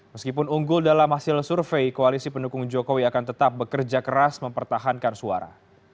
meskipun unggul dalam hasil survei koalisi pendukung jokowi akan tetap bekerja keras mempertahankan suara